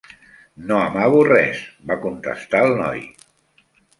"No amago res" va contestar el noi.